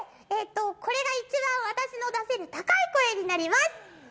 これが一番私の出せる高い声になります。